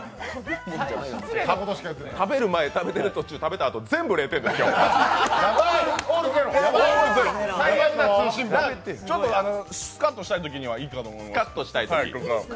食べる前、食べてる途中、食べたあと、全部ちょっとスカっとしたいときはいいと思います。